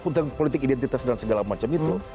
tentang politik identitas dan segala macam itu